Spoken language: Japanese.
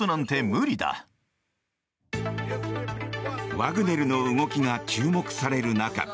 ワグネルの動きが注目される中